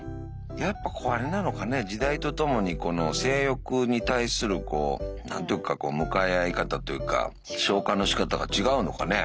やっぱあれなのかね時代とともに性欲に対するこう何というか向かい合い方というか消化のしかたが違うのかね。